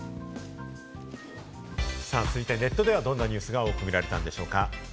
続いてネットでは、どんなニュースが多く見られたんでしょうか？